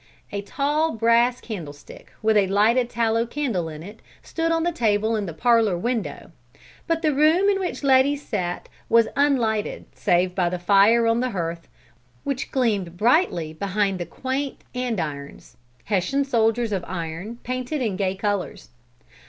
A tall brass candlestick, with a lighted tallow candle in it, stood on the table in the parlor window; but the room in which Letty sat was unlighted save by the fire on the hearth, which gleamed brightly behind the quaint andirons Hessian soldiers of iron, painted in gay colors.